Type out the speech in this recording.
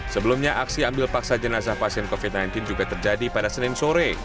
sebelumnya aksi ambil paksa jenazah pasien covid sembilan belas juga terjadi pada senin sore